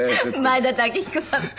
前田武彦さんです。